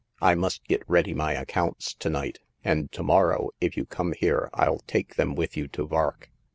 I must get ready my accounts to night ; and to morrow, if you come here, I'll take them with you to Vark.